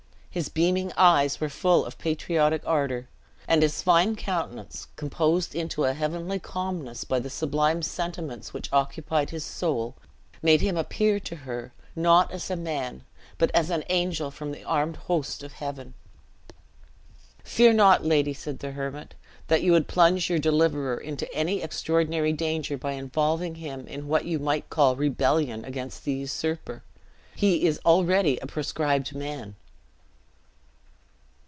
His beaming eyes were full of patriotic ardor; and his fine countenance, composed into a heavenly calmness by the sublime sentiments which occupied his soul, made him appear to her not a as man, but as an angel from the armed host of heaven. "Fear not, lady," said the hermit, "that you would plunge your deliverer into any extraordinary danger by involving him in what you might call rebellion against the usurper. He is already a proscribed man."